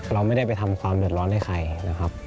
เราไม่ได้ไปทำความเดือดร้อนให้ใครนะครับ